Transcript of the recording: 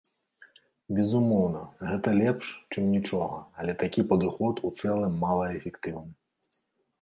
Безумоўна, гэта лепш, чым нічога, але такі падыход у цэлым малаэфектыўны.